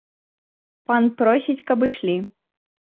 Пан просіць, каб ішлі.